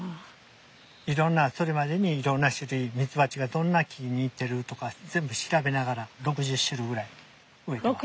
それまでにいろんな種類ミツバチがどんな木に行ってるとか全部調べながら６０種類ぐらい植えてます。